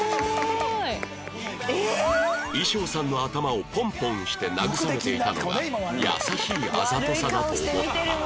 衣装さんの頭をポンポンして慰めていたのが優しいあざとさだと思った